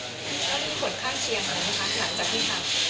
มีผลข้างเคียงอะไรค่ะขนาดจากนี้ครับ